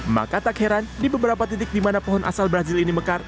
maka tak heran di beberapa titik di mana pohon asal brazil ini mekar